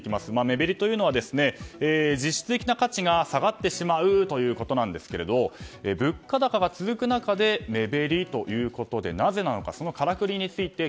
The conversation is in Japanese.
目減りというのは実質的な価値が下がってしまうということなんですが物価高が続く中で目減りということでなぜなのかそのからくりについて